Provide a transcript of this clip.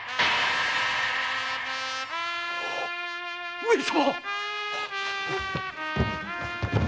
上様！